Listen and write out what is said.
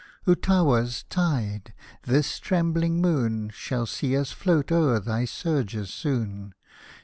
Utawas' tide ! this trembling moon Shall see us float over thy surges soon.